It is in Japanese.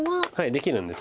できるんです。